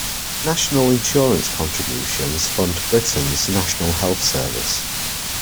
National Insurance contributions fund Britain’s National Health Service